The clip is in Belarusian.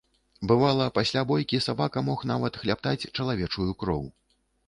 Бывала, пасля бойкі сабака мог нават хлябтаць чалавечую кроў.